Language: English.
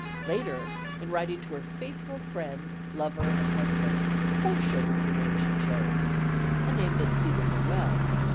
Later, in writing to her faithful friend, lover and husband, "Portia" was the name she chose, a name that suited her well.